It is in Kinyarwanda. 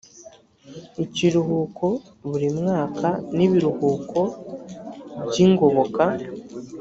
ikiruhuko buri mwaka n ibiruhuko by ingoboka